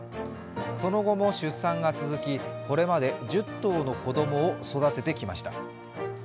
その後も出産が続き、これまで１０頭の子供を育ててきました。